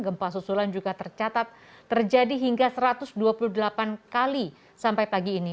gempa susulan juga tercatat terjadi hingga satu ratus dua puluh delapan kali sampai pagi ini